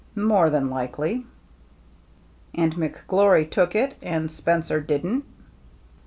" More than likely." '* And McGlory took it and Spencer didn't